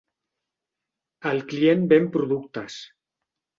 El client ven productes.